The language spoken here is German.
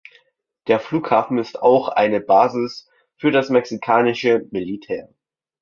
Der Flughafen ist auch eine Basis für das mexikanische Militär.